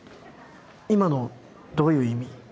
今のどういう意味？